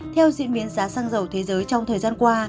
theo diễn biến giá xăng dầu thế giới trong thời gian qua